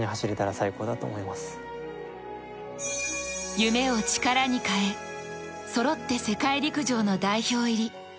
夢を力に変え、そろって世界陸上の代表入り。